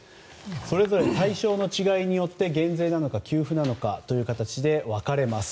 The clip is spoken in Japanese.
それぞれ対象の違いによって減税なのか給付なのか分かれます。